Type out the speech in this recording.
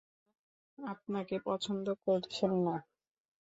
আব্বা এখন আর আপনাকে পছন্দ করছেন না।